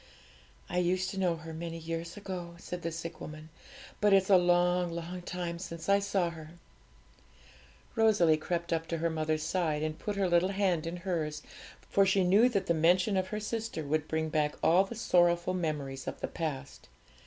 'I used to know her many years ago,' said the sick woman; 'but it's a long, long time since I saw her.' Rosalie crept up to her mother's side, and put her little hand in hers; for she knew that the mention of her sister would bring back all the sorrowful memories of the past.